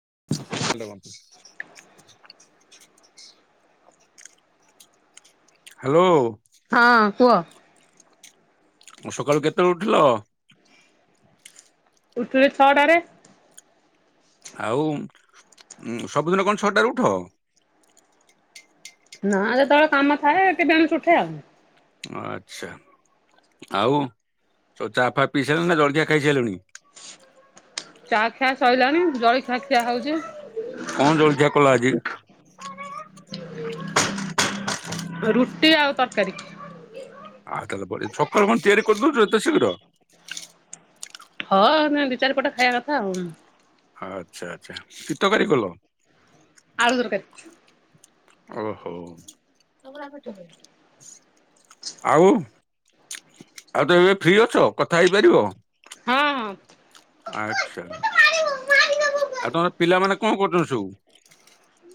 [unintelligible] Hello. ହଁ କୁହ। ଅ ସକାଳୁ କେତେବେଳେ ଉଠିଲ। ଉଠିଲି ଛଅଟାରେ। ଆଉ ସବୁଦିନ କଣ ଛଅଟା ରେ ଉଠ। ନା ଯେତେବେଳେ କାମ ଥାଏ ଟିକେ ବେଣୁଶୁ ଉଠେ ଆଉ। ଆଛା ଆଉ ସବୁ ଚାଫା ପିଇ ସାଇଲଣି ନା ଜଳଖିଆ ଖାଇସାଇଲଣି। ଚା ଖିଆ ସଇଲାଣି। ଜଳଖିଆ ଖିଆ ହଉଛି। କଣ ଜଳଖିଆ କଲ ଆଜି। [unintelligible] ରୁଟି ଆଉ ତରକାରୀ। ଆଉ ତାହେଲେ ବଢିଆ ସକାଳୁ କଣ ତିଆରି କରିଦଉଛ ଏତେ ଶୀଘ୍ର। ହଁ ଦି ଚାରିପଟ ଖାଇବା କଥା ଆଉ। ଆଚ୍ଛା ଆଚ୍ଛା କିତକାରୀ କଲ। ଆଳୁ ତରକାରି। ଓହୋ। [unintelligible] ଆଉ। ଆଉ ତ ଏବେ ଫ୍ରି ଅଛ। କଥା ହେଇପାରିବ ହଁ ହଁ ଆଛା ଆଉ ତମର ପିଲାମାନେ। କଣ କରୁଚନ୍ତି। [unintelligible]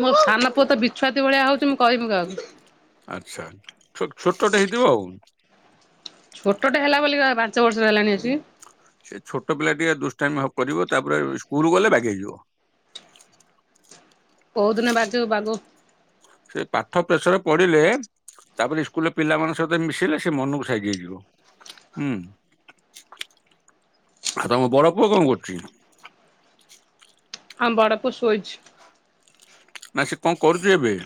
ମୋ ସାନ୍ ନ ପୁଅ ତ ବିଛୁଆତି ଭଳିଆ ହଉଛି ମୁଁ କଇବି କାହାକୁ। ଆଛା ଛୋଟ ଛୋଟଟେ ହେଇଥିବ ଆଉ। ଛୋଟଟେ ହେଲା ବୋଲି ବା ପା ପାଞ୍ଚ ବର୍ଷ ହେଲାଣି ଅସିକି। ଷ୍ଟାମି କରିବ ତାପରେ ସ୍କୁଲ ଗଲେ ବାଗେଇଯିବ। କଉ ଦିନ ବାଗିବ ବାଗୋଉ। ସେ ପାଠ ପ୍ରେସରେ ପଢିଲେ ତାପରେ ସ୍କୁଲରେ ପିଲା ମଙ୍କ ସହିତ ମିଶିଲେ ସେ ମନକୁ ସାଇଯାଇଯିବ ହୁଁ ଆଉ ତମ ବଡ ପୁଅ କଣ କରୁଛି। ଆମ ବରାକୁ ସୋଇଛି। ନା ସେ କଣ କରୁଛୁ ଏବେ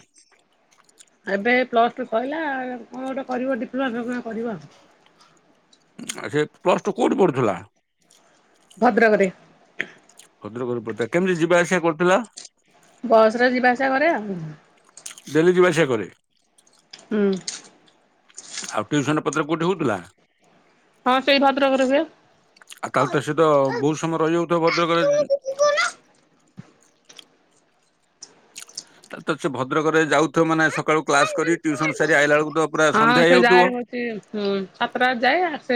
ଏବେ ପ୍ଲସ ଟୁ କହିଲା କଣ ଗୋଟେ କରିବ ଡିପ୍ଲୋମା ଫିପ୍ଲୋମା କରିବ ଆଉ। ଆ ସେ ପ୍ଲସ ଟୁ କୋଉଠି ପଢୁଥିଲା। ଭଦ୍ରକରେ। ଭଦ୍ରକ ପଥିଲା କେମିତି ଯିବା ଆସିବା କରିଥିଲା। ବସରେ ଯିବା ଆସିବା କରେ ଆଉ। ହୁଁ। ଡେଲି ଯିବା ସେ କରେ। ହୁଁ। ଆଉ ଟିଉସନ ପତ୍ର କୋଉଠି ହଉଥିଲା। ହଁ ସେଇ ଭଦ୍ରକରେ ହୁଏ। ଆଉ ତାହେଲେ ତ ସେ ତ ବହୁତ ସମୟ ରହିଯାଉଥିବ ଭଦ୍ରକ ରେ। ତା ତ ସେ ଭଦ୍ରକରେ ଯାଉ ମାନେ ସକାଳୁ କ୍ଲାସ କରି ଟ୍ୟସନ ସାରି ଆଇଲା ବେଳକୁ ତ ପୁରା ହଁ ସନ୍ଧ୍ୟା ସେ ଯାଏ ହେଉଥିବ। ହଉଛି ସାତଟା ଯାଏ ଆସେ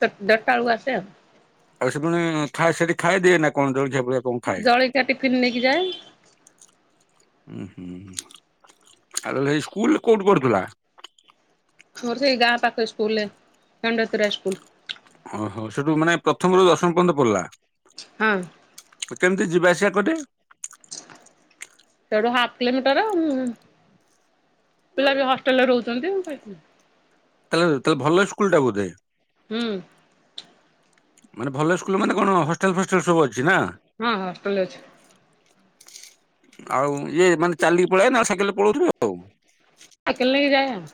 ଚା ଚାର୍ଟାବେଳକୁ ଆସେ ଆଉ। ଆଉ ସେ ଖାଏ ସେଠି ଖାଇଦିଏ ନା କଣ ଜଉଳବ ଜଳଖିଆ ଟିଫିନ୍ ନେଇକି ଯାଏ। ହୁଁ ହୁଁ ଆହ ସେଇ ସ୍କୁଲ କୋଉଠି କରୁଥିଲା। ହର ସେଇ ଗାଁ ପାଖ ସ୍କୁଲ କଣ୍ଡତ ସ୍କୁଲ। ଓହୋ ସେଠୁ ମାନେ ପ୍ରଥମରୁ ଦଶମ ପର୍ଯ୍ୟନ୍ତ ପଡିଲା। ହଁ। କେମିତି ଯିବାଆସିବା କରେ। ସେଠୁ ହା କିଲୋମିଟର ପିଲା ବି ହଷ୍ଟେଲରେ ରହୁଛନ୍ତି। ତାହଲେ ତାହେଲେ ଭଲ ସ୍କୁଲ ଟା ବୋଧେ। ହୁଁ। ମାନେ ଭଲ ସ୍କୁଲ ମାନେ କଣ ହଷ୍ଟାଲ ଫଷ୍ଟାଲ ସବୁ ଅଛି। ନା ହଁ ହଁ ହଲଷ୍ଟେଲ ଅଛି। ଆଉ ଇଏ ମାନେ ଚାଲିକି ପଳେଇଏ ନା ସାକ ପଳଉିବ ଆଉ। ସାଇକେଲ ନେଇକି ଯାଏ ଆଉ।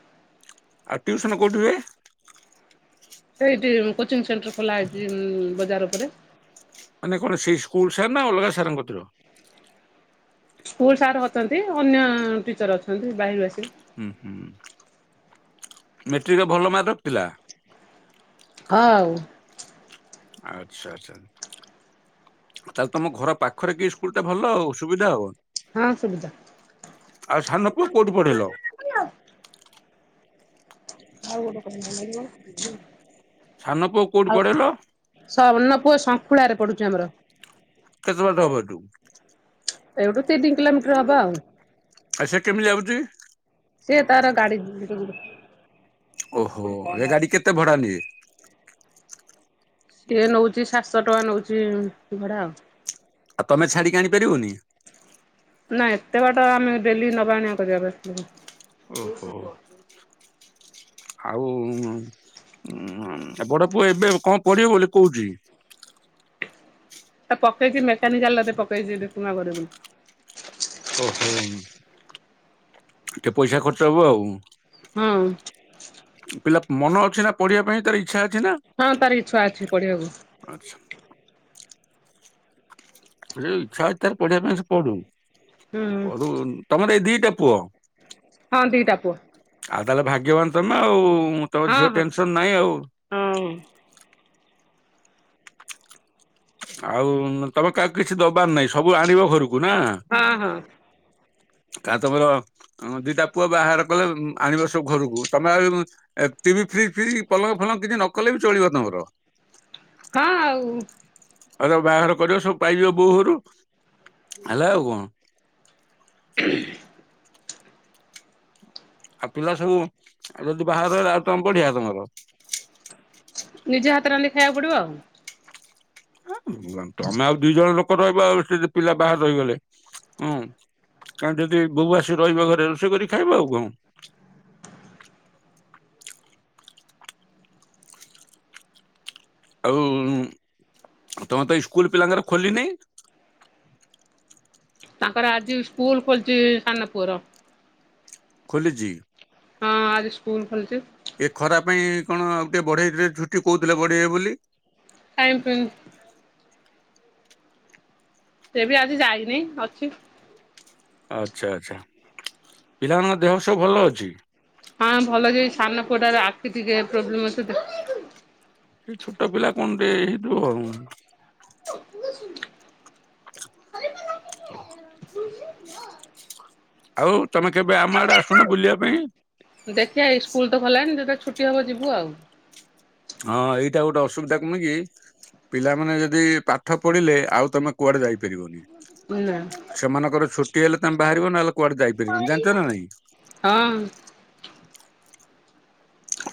ଆଉ ଟଟିଉସନ କୋଉଠିିବ ସେଇଠି କୋଚିଂ ସେଣ୍ଟର ଖୋଲା ହେଇଛି ବଜାର ଉପରେ। ମାନେ କଣ ସେଇ ସ୍କୁଲ ସାର୍ ନା ଅଲଗା ସାରତିର। ସ୍କୁଲ ସାର୍ ଅଛନ୍ତି ଅନ୍ୟ ଟିଚର ଅଛନ୍ତି ବାହାରୁ ଆସି। ହୁଁ ହୁଁ ମେଟ୍ରିକରେ ଭଲ ମାର୍କ ରଖିଥିଲା। ହଁ ଆଉ। ଆଚ୍ଛା ଆଚ୍ଛା ତାହେଲେ ତମ ଘର ପାଖରେ କି ସ୍କୁଲ ଟା ଭଲବ ସୁବିଧା। ହଁ ସୁବିଧା ଆଉ ସାନ ପୁଅ କୋଉଠି ପଢେଇଲ? ଆଉ ଗୋଟେ କହିବି ଭଲ ଲାଗିବ। ସାନ ପୁଅ କୋଉଠି ପଢ଼େ ଲୋ? ପୁଅ ଶଙ୍କୁଳାରେ ପଡୁଛି ଆମର। କେତେ ବାଟ ହବ ଏଇଠୁ? ଏଇଠୁ ତିଇ ତିନି କିଲୋମିଟର ହବ ଆଉ। ଆଚ୍ଛା କେମିତି ଯାଉୁଛି? ସେଏ ତାର ଗାଡି। [unintelligible] ଓହୋ ଏ ଗାଡି କେତେ ଭଡା ନିଏ? ସିଏ ନଉଛି ସାତଶହ ଟଙ୍କା ନଉଛି ଭଡା ଆଉ। ଆଉ ତମେ ଛାଡିକି ଆଣିପାରିବନି? ନା ଏତେ ବାଟ ଆମେ ଡେଲି ନବା ଆଣିବା କରିବାକୁ ଓହୋ ଆସିବୁନି। ଆଉ ଉଁ ହଁ ବଡ ପୁଅ ଏବେ କଣ ପଢିବ ବୋଲି କହୁଛି? ତା ପକେଇଛି ମେକାନିକାଲେ ପକେଇଛି ଗ ବୋଲି। ଓହୋ [inaudible] ଟିକେ ପଇସା ଖର୍ଚ୍ଚ ହବ ଆଉ ହଁ। ପିଲା ମନ ଅଛି ନା ପଢିବା ପାଇଁ ତାର ଇଚ୍ଛା ଅଛି। ନା? ହଁ ତାର କି ଛୁଆ ଅଛି ଆଚ୍ଛା ପଢିବାକୁ? ସେ ଇଚ୍ଛା ଅଛି ତାର ପଢିବା ପାଇଁ ସେ ପଢୁ। ହୁଁ ପଢୁ ତମର ଏଇ ଦିଟା? ପୁଅ ହଁ ଦି ଟା ପୁଅ। ଆଉ ତାହେଲେ ଭାଗ୍ୟବାନ ତମେ ଆଉ? ମୁଁ ତମ ହଁ ଝିଅ ହଁ ଟେନସନ ନାହିଁ ଆଉ। ହଁ ଆଉ ତମେ କାହା କିଛି ଦବାର ନାଇଁ ସବୁ ଆଣିବ ଘରକୁ। ହଁ ହଁ। କାଲ ତମର ହଁ ଦିଟା ପୁଅ ବାହାର କଲେ ଆଣିବ ସବୁ ଘରକୁ ତମେ ଆଉ ଟିଭି ଫ୍ରି ଫ୍ରି ପଲଙ୍କ ଫଲଙ୍କ କିଛି ନ କଲେ ବି ଚଳିବ ତମର। ହଁ ଆଉ ଆଉ ବାହାଘର କରିବ ସବୁ ପାଇଯିବ ବୋହୁ ଘରୁ। ହେଲା ଆଉ କଣ? ଆଉ ପିଲା ସବୁଉ ଯଦି ବାହାରହ ଆଉ ତମେ ପଢିଆ ତମର। ନିଜେ ହାତ ରାନ୍ଧି ଖାଇବାକୁ ପଡିବ ଆଉ। ହଁ। ହୁହନ୍ତୁ ତମେ ଆଉ ଦିଇ ଜଣ ଲୋକ ରହିବା ଆଉ ପିଲା ବାହାର ରହିଗଲେ ହଁ କାହି ଯଦି ବୋଉ ଆସିକି ରହିବା ଘରେ ରୋଷେଇ କରି ଖାଇବା ଆଉ କଣ? ଆଉ ତମେ ତଇସ ସ୍କୁଲ ପିଲାଙ୍କର ଖୋୋଲିନି? ତାଙ୍କର ଆଜି ସ୍କୁଲ ଖୋଲିଛି ସାନପୁଅର ଖୋଲିଛି? ହଁ ଆଜି ସ୍କୁଲ ଖୋଲିଛି। ଏ ଖରା ପାଇଁ କଣ ଆଉ ଟିକେ ବଢେଇଥିଲେ ଛୁଟି କହୁଥିଲେ ବଢେଇବେ ବୋଲି କାଇଁ ପ୍ରିନ୍ ସେ ବି ଆଜି ଯାଇନି ଅଛି । ଆଚ୍ଛା ଆଚ୍ଛା ପିଲାମାନଙ୍କ ଦେହ ସବୁ ଭଲ ଅଛି? ହଁ ଭଲ ଯେ ଏଇ ସାନ ପୁଅଟାର ଆଖି ଟିକେ ପ୍ରୋବ୍ଲେମ ଅଛି ତ। ସେଇ ଛୋଟ ପିଲା କଣ ଟିକେ ହେଇଯାଇଥିବ ଆଉ। [unintelligible] ଆଉ ତମେ କେବେ ଆମ ଆଡେ ଆସୁନ ବୁଲିବା ପାଇଁ। ଦେଖିବା ଏଇ ସ୍କୁଲ ତ ଖୋଲାଣି ଯେତେବେଳେ ଛୁଟି ହବ ଯିବୁ ଆଉ। ହଁ ଏଇଟା ଗୋଟେ ଅସୁବିଧା କଣ କି ପିଲାମାନେ ଯଦି ପାଠ ପଢିଲେ ଆଉ ତମେ କୁଆଡେ ଯାଇପା ପାରିବନି ନା ସେମାନଙ୍କର ଛୁଟି ହେଲେ ତମେ ବାହାରିବ ନହେଲେ କୁଆଡେ ଯାଇପାରିବନି ଜାଣିଛ ନା ନାଇଁ। ହଁ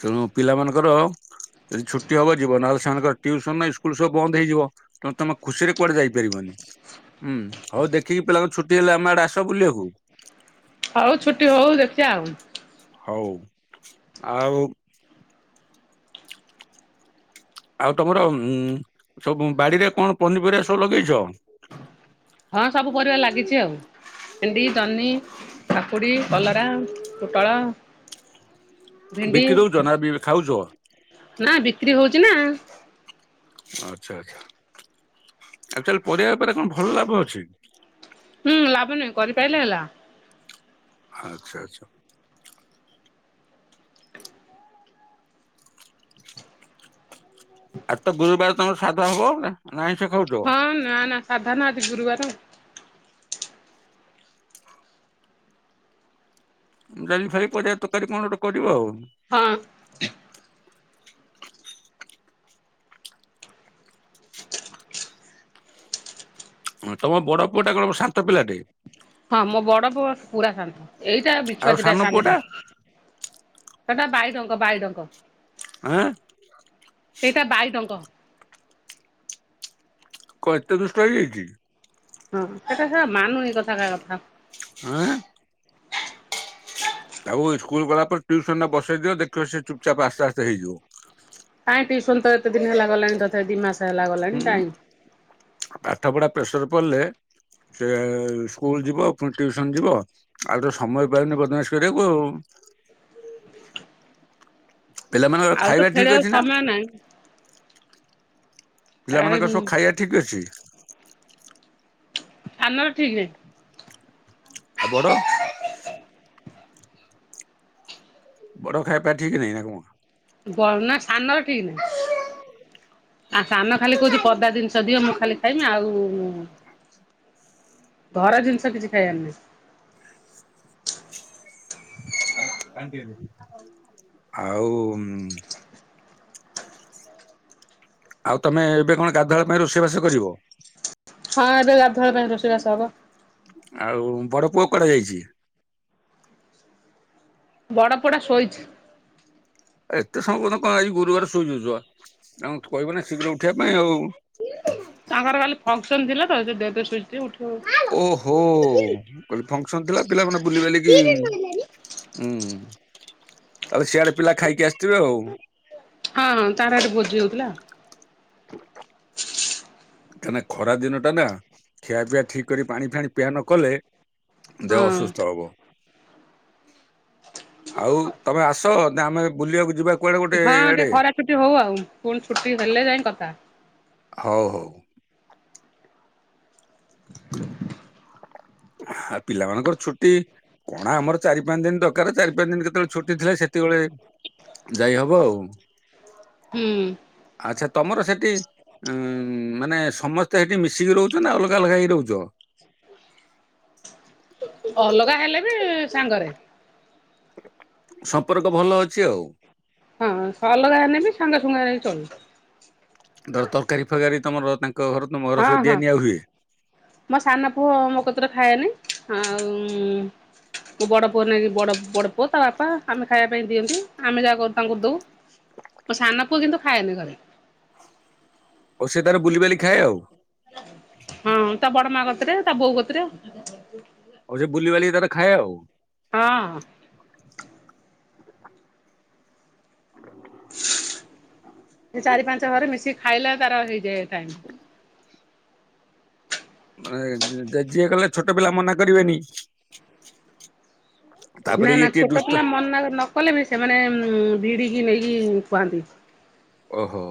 ତେଣୁ ପିଲାମାନଙ୍କର ଯଦି ଛୁଟି ହବ ଯିବ ନହେଲେ ସେମାନଙ୍କର ଟିଉସନ୍ ସ୍କୁଲ ସବୁ ବନ୍ଦ ହେଇଯିବ ତେଣୁ ତମେ ଖୁସି ରେ କୁଆଡେ ଯାଇପାରିବନି ହୁଁ ହଉ ଦେଖିକି ପିଲାଙ୍କ ଛୁଟି ହେଲେ ଆମେ ଆଡେ ଆସ ବୁଲିବାକୁ। ହଉ ଛୁଟି ହଉ ଦେଖିବା ଆଉ ହଉ ଆଉ ଆଉ ତମର ଉଁ ସବୁ ବାଡିରେ କଣ ପନିପରିବା ସବୁ ଲଗେଇଛ? ହଁ ସବୁ ପରିବା ଲାଗିଛି ଆଉ। ଭେଣ୍ଡି, ଜହ୍ନି, କାକୁଡି, କଲରା, ପୋଟଳ ଭେଣ୍ଡି ବିକି ଦଉଛ ନା ଖାଉଛ? ନା ବିକ୍ରି ହଉଚି ନା। ଆଚ୍ଛା ଆଚ୍ଛା ଆକଚୁଆଲି ପରିବା ବେପାରରେ କଣ ଭଲ ଲାଭ ଅଛି? ହୁଁ ଲାଭ ନାହିଁ କରି ପାଇଲେ ହେଲା। ଆଚ୍ଛା ଆଚ୍ଛା। ଆଉ ତ ଗୁରୁବାର ତମର ସାଧା ହବ ନା ଆଇଁଷ ଖାଉଛ? ହଁ ନା ନା ସାଧା ନା ଆଜି ଗୁରୁବାର। ମୁଁ ଜାଣିଲି ଭାଲି ପରିବା ତରକାରୀ କଣ ଗୋଟେ କରିବ ଆଉ। ହଁ। [inaudible] ହଁ ତମ ବଡ ପୁଅ ଟା କଣ ଶାନ୍ତ ପିଲାଟେ। ହଁ ମୋ ବଡ ପୁଅ ପୁରା ଶାନ୍ତ । ଏଇଟା ଆଉ ବିଛୁଆତିଟା ସାନ ପୁଅଟା ସାନଟା। ସେଟା ବାଇଡଙ୍କ ବାଇଡଙ୍କ। ଆଁ ସେଇଟା ବାଇଡଙ୍କ। କଣ ଏତେ ଦୁଷ୍ଟ ହେଇଯାଇଛି । ହଁ ସେଟା ଶଳା ମାନୁନି କଥା କାହା କଥା। ଆଁ। ଆଉ ସ୍କୁଲ ଗଲା ପରେ ଟ୍ୟୁସନ ବସେଇ ଦିଅ ଦେଖିବ ସେ ଚୁପ ଚାାପ୍ ଆସ୍ତେ ଆସ୍ତେ ହେଇଯିବ। କାଇଁ ସନ୍ତ ଏତେ ଦିନ ହେଲା ଗଲାଣି ଧଥ ଦି ମାସ। ଲା ହୁଁ ଗଲାଣି ଟାଇ ପାଠ ପଢା ପ୍ରେସର ପିଲେ ସେ ସ୍କୁଲ ଯିବ ପୁଣି ଟିଉସନ ଯିବ ଆଉ ତ ସମୟ ପାଇନି ବଦମାସ କରିବାକୁ ଆ ପିଲାମାନଙ୍କର ଆଉ ତ ଖାଇବା ଠିକ ଖେଳିବାକୁ ଅଛି ନା ସମୟ ନାହିଁ ଏ ପିଲାମାନାନଙ୍କ ସବୁ ଖାଇବା ଠିକ ଅଛି। ଆମର ଠିକ ଆଉ ବଡ ବଡ ଖାଇ ପି ଠିକ ନାଇଁ ନା କ ଗନା ସାନର [inaudible] ଆ ସାନ ଖାଲି କହୁଛି ପଦା ଜିନିଷ ଦିଅ ମୁଁ ଖାଲି ଖାଇମି ଆଉ ଘର ଜିନିଷ କିଛି ଖାଇବାର ନାହି। ଆଉ। ଆଉ ତମେ ଏବେ କଣ ଗାଧୁଆ ପାଇଁ ରୋଷେଇବାସ କରିବ। ହଁ ଏବେ ଗାଧଳ ପାଇଁ ରୋଷେଇବାସ ହବ। ଆଉ ବଡ ପୁଅ କରାଯାଇଛି। ବଡ଼ ପଡ଼ା ସଇଚ ଏତେ ସମୟ କ କଣ ଏଇ ଗୁରୁବାର ସୁୋଇଯଛୁ ଆଉ କହିବ ନା ଶୀଘ୍ର ଉଠିବା ପାଇଁ ଆଉ। ତାଙ୍କର କାଲି ଫଙ୍କସନ ଥିଲା ତ ସେ ଦେ ଠ ଓହୋ କ ଫଙ୍କସନ ଥିଲା ପିଲାମାନେ ବୁଲି ବଲିକି ହଁ। ତାହେଲେ ସିଆଡେ ପିଲା ଖାଇକି ଆସିଥିବେ ଆଉ। ହଁ ତାର ଏଠି ଭୋଜି ହଉଥିଲା [inaudible] କାହିଁକି ଖରା ଦିନ ଟା ନା ଖିଆ ପିଆ ଠିକ କରି ପାଣି ଫାଣି ପିଆ ନ କଲେ ଦେହ ହଁ। ଅସୁସ୍ଥ ହବ। ଆଉ ତମେ ଆସ ନା ଆମେ ବୁଲିବାକୁ ଯିବା। କୁଆଡେ ଗୋଟେ ହଁ ଟିକେ ଆଡେ। ଖରା ଛୁଟି ହଉ ଆଉ ପୁଣି ଛୁଟି ହେଲେ ଯାଇ କଥା। ହଉ ହଉ। ଆ ପିଲାମାନଙ୍କର ଛୁଟି କଣା ଆମର ଚାରି ପାଞ୍ଚ ଦିନ ଦରକାର ଚାରି ପାଞ୍ଚ ଦିନ କେତେବେଳେ ଛୁଟି ଥିଲା ସେତେବେଳେ ଯାଇ ହବ ଆଉ। ହୁଁ। ତୁମର ସେଠି ଉ ମାନେ ସମସ୍ତ। ତ ହେଠି ମିଶିକି ରହୁଛ ନା ଅଲଗା ଅଲଗା ହେଇ ରହୁଛ? ଅଲଗା ହେଲେ ରେ ସାଙ୍ଗରେ। ସମ୍ପର୍କ ଭଲ ଅଛି ଆଉ। ହଁ ସ ଅଲଗା ହେନେବି ସାଙ୍ଗସୁୁଙ୍ଗା ହେଇ ଚଳୁ। ଧର ତରକାରୀ ଫରକାରୀ ତମର ତାଙ୍କ ଘର ତମ ଘର ହଁ, ସବୁ ଦିଆ ହଁ ନିଆ ହୁଏ। ମୋ ସାନ ପୁଅ ମୋ କତିରେ ଖାଏନି । ଆଉଁ ମୋ ବଡ଼ ପୁଅ ନାଇକି, ବ ବଡ଼ ପୁଅ ତା ବାପା ଆମେ ଖାଇବା ପାଇଁ ଦିଅନ୍ତି, ଆମେ ଯାହା କରୁ ତାଙ୍କୁ ଦଉ, ମୋ ସାନ ପୁଅ କିନ୍ତୁ ଖାଏନି ଘରେ । ଆଉ ସେ ତାର ବୁଲିବାଲି ଖାଏ, ଆଉ । ହଁ, ତା ବଡ ମାଁ କତିରେ, ତା ବୋଉ କତିରେ । ଆଉ ସେ ବୁଲିବାଲି ତାର ଖାଏ, ଆଉ ହଁ । ଏ ଚାରି, ପାଞ୍ଚ ଘର ମିଶିକି ଖାଇଲେ ତାର ହେଇଯାଏ । ଟାଇମ। ମାନେ ଯେ-ଯିଏ କହିଲେ, ଛୋଟ ପିଲା ମନା କରିବେନି । ନା ନା ଛୋଟ ପିଲା ମନା ନ କଲେ ବି, ସେମାନେ ଭିଡିକି ନେଇକି ଖୁଆନ୍ତି । ଓହୋ,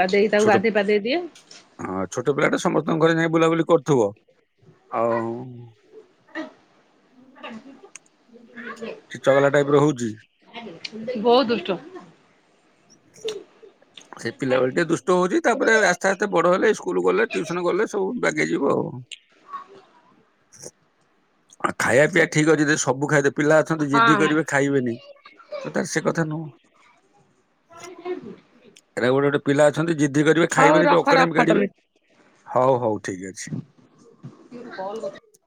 ତା, ଦେଇ ତାକୁ ଛୋଟ ଗାଧୋଇ ପାଧେଇ ଦିଏ । ତଙ୍କ ଘରେ ଯାଇ ବୁଲାବୁଲି କରୁଥିବ । ଆଓଁ ଆ [inaudible] ଚି ଚଗଲା ଟାଇପ୍ ର ହଉଛି । ବହୁ ଦୁଷ୍ଟ । ସେ ପିଲାବେଳେ ଟିକେ ଦୁଷ୍ଟ ହଉଛି, ତାପରେ ଆସ୍ତେ ଆସ୍ତେ ବଡ ହେଲେ ସ୍କୁଲ ଗଲେ, ଟିଉସନ ଗଲେ, ସବୁ ବାଗେଇଯିବ ଆଉ । ଆଉ ଖାଇବା ପିଇବା ଠିକ୍ ଅଛି ଯଦି ସବୁ ଖାଇବେ ପିଲା ଅଛନ୍ତି, ଜିଦ୍ଦି ହଁ କରିବେ, ଖାଇବେନି, ତାର ସେ କଥା ନୁହୁଁ। ଏରା ଗୋଟେ ଗୋଟେ ପିଲା ଅଛନ୍ତି ଜିଦ୍ ଦି କରିବେ ହଉ ଖାଇବେନି ରଖ ଯୋଉ ଅକଡ଼ାମି ରଖ କାଢିବେ, ତମେ। ହଉ ହଉ ଠିକ ଅଛି ।